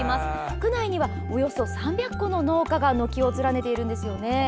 区内にはおよそ３００戸の農家が軒を連ねているんですよね。